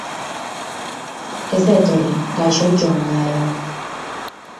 Ez da etorri, gaixorik egongo da, edo.